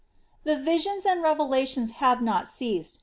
1. The visions and revelations have not ceased, Raptures.